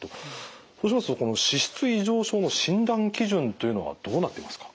そうしますとこの脂質異常症の診断基準というのはどうなってますか？